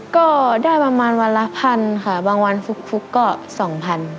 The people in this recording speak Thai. ก็ได้ประมาณวันละ๑๐๐๐บาทบางวันฝุกก็๒๐๐๐บาท